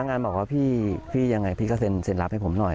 งานบอกว่าพี่ยังไงพี่ก็เซ็นรับให้ผมหน่อย